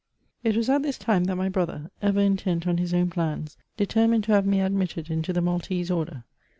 It was at this time that my brother, ever intent on his own plans, determined to have me admitted into the Maltese Order.